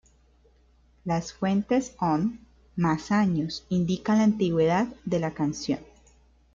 Las fuentes on más años indican la antigüedad de la canción.